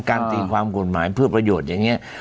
ตีความกฎหมายเพื่อประโยชน์อย่างนี้